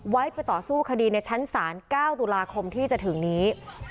ไปต่อสู้คดีในชั้นศาล๙ตุลาคมที่จะถึงนี้